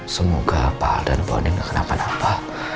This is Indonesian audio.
semoga pak al dan bonin gak kenapa napa